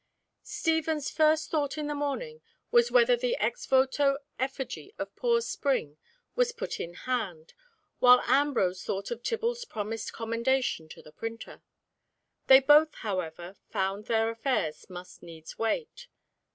Stephen's first thought in the morning was whether the ex voto effigy of poor Spring was put in hand, while Ambrose thought of Tibble's promised commendation to the printer. They both, however, found their affairs must needs wait.